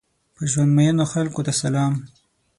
په ژوند مئینو خلکو ته سلام!